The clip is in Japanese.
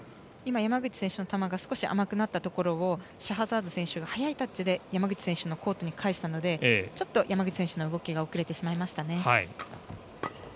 山口選手の球が少し、甘くなったところをシャハザード選手が速いタッチで山口選手のコートに返したのでちょっと山口選手の動きが遅れてしまいましたね。